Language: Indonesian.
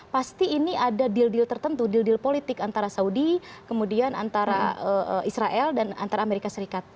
pasti ini ada deal deal tertentu deal deal politik antara saudi kemudian antara israel dan antara amerika serikat